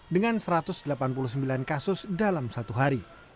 dengan satu ratus delapan puluh sembilan kasus dalam satu hari